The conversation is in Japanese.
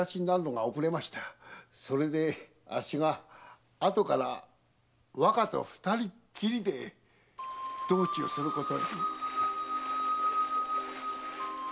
それであっしが後から若と二人っきりで道中することに。